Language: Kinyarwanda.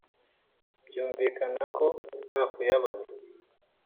byumvikana ko nta kuyabaza